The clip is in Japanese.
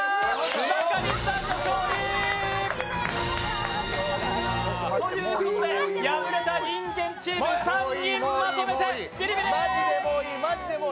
中西さんの勝利！ということで、敗れた人間チーム３人まとめてビリビリ！